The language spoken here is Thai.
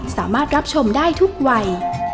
สามารถรับชมได้ทุกวัย